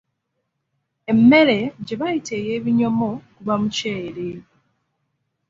Emmere gye bayita ey’ebinyomo guba muceere.